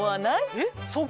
えっ？